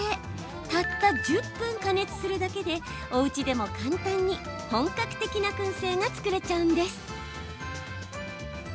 たった１０分加熱するだけでおうちでも簡単に本格的なくん製が作れちゃうんです。